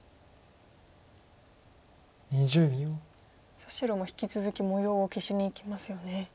さあ白も引き続き模様を消しにいきますよね。